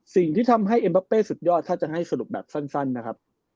สิ่งที่ทำให้เอ็มบาเป้สุดยอดถ้าจะให้สรุปแบบสั้นนะครับ